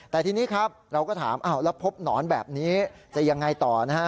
แต่ทีนี้ครับเราก็ถามแล้วพบหนอนแบบนี้จะยังไงต่อนะฮะ